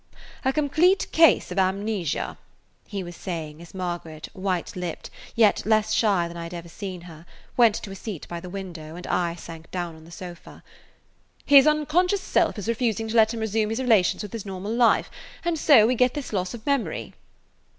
"A complete case of amnesia," he was saying as Margaret, white lipped, yet less shy than I had ever seen her, went to a seat by the window, and I sank down on the sofa. "His unconscious self is refusing to let him resume his relations with his normal life, and so we get this loss of memory."